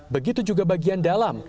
begitu juga bagian dalam